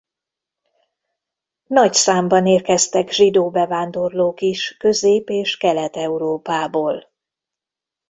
Nagy számban érkeztek zsidó bevándorlók is Közép- és Kelet-Európából.